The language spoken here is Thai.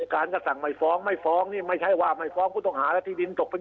ก็จะแม้ตำรวจเขาไปเจอตัวมาเนี่ยครับ